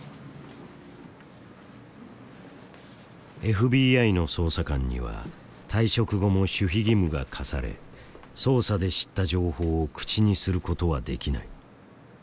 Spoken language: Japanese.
ＦＢＩの捜査官には退職後も守秘義務が課され捜査で知った情報を口にすることはできない。